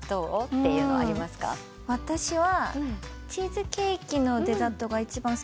私は。